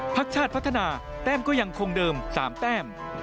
พักชาติพัฒนาแต้มก็ยังคงเดิม๓แต้ม